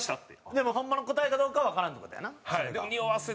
でもホンマの答えかどうかはわからんって事やなそれが。